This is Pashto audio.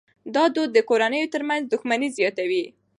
دا دود د کورنیو ترمنځ دښمني زیاتوي.